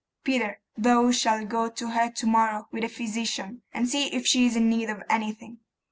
Peter, thou shalt go to her to morrow with the physician, and see if she is in need of anything.